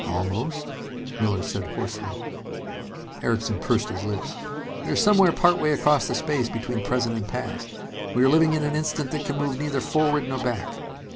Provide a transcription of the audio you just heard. "Almost?" Miller said hoarsely. Erickson pursed his lips. "We are somewhere partway across the space between present and past. We are living in an instant that can move neither forward nor back.